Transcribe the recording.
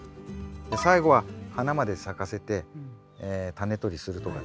最後は花まで咲かせてタネとりするとかですね